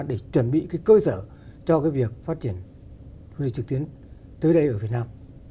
để chuẩn bị cái cơ sở cho cái việc phát triển du lịch trực tuyến tới đây ở việt nam